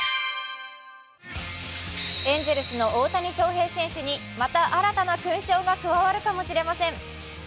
エンゼルスの大谷翔平選手にまた新たな勲章が加わるかもしれません。